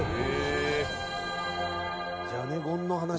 「ジャネゴンの話？」